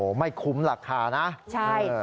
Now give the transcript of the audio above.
โอ้โหไม่คุ้มราคานะใช่หรืออ่ะหรืออ่ะ